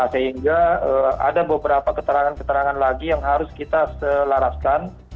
sehingga ada beberapa keterangan keterangan lagi yang harus kita selaraskan